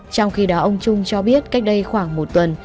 trong khi đó ông trung cho biết cách đây khoảng một tuần